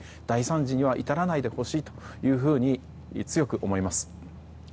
大惨事には至らないでほしいと強く思います。